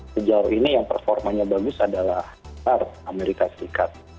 sejauh ini yang performanya bagus adalah nar amerika serikat